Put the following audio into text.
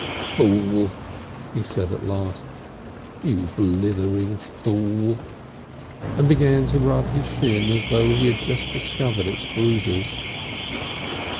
"Fool," he said at last; "you Blithering Fool!" and began to rub his shin as though he had just discovered its bruises.